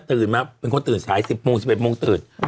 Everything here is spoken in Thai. มาเป็นคนตื่นสาย๑๐โมง๑๑โมงตื่น